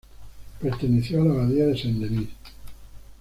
Perteneció a la abadía de Saint-Denis.